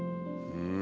うん！